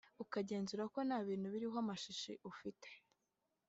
ikagenzura ko nta bintu biriho amashashi ufite